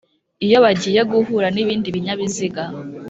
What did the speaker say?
iyo bagiye guhura n’ibindi binyabiziga